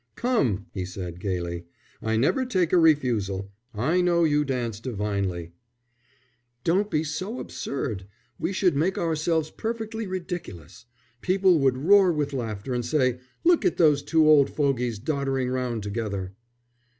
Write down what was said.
"Come," he said gaily, "I never take a refusal. I know you dance divinely." "Don't be so absurd! We should make ourselves perfectly ridiculous. People would roar with laughter and say: 'Look at those two old fogies doddering round together.